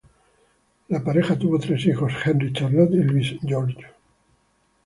La pareja tuvo tres hijos: Henri, Charlotte y Louis-Georges.